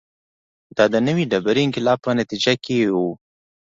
دا د نوې ډبرې انقلاب په نتیجه کې و